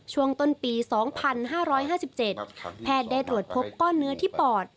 ช่วงต้นปี๒๕๕๗แพทย์ได้ตรวจพบก้อนเนื้อที่ปอด